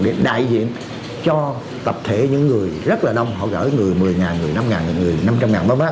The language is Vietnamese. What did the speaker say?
để đại diện cho tập thể những người rất là đông họ gỡ người một mươi người năm người năm trăm linh